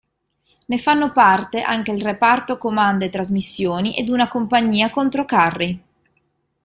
Ne fanno parte anche il Reparto Comando e Trasmissioni ed una compagnia controcarri.